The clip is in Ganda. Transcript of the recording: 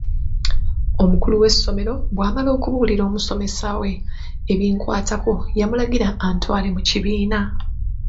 Omukulu w'essomero bw'amala okubuulira omusomesa we ebinkwatako yamulagira antwale mu kibiina.